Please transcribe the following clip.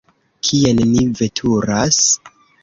Kien ni veturas?